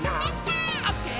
「オッケー！